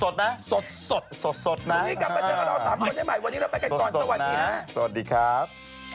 สวัสดีครับ